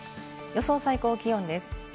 予想最高気温です。